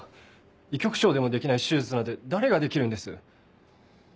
医局長でもできない手術なんて誰ができるんです？